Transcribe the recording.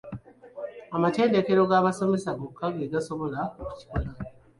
Amatendekero g'abasomesa gokka geegasobola okukikola.